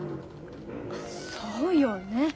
そうよね。